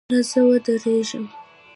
نه، زه ودریږم